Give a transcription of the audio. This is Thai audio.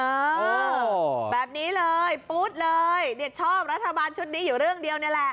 เออแบบนี้เลยปู๊ดเลยเนี่ยชอบรัฐบาลชุดนี้อยู่เรื่องเดียวนี่แหละ